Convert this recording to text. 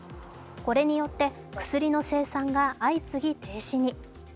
これによって、薬の生産が相次ぎ停止に。